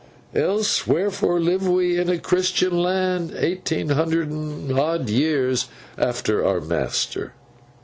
Else wherefore live we in a Christian land, eighteen hundred and odd years after our Master?